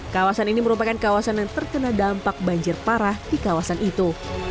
kawasan ini merupakan kawasan yang terkena dampak banjir parah di kawasan itu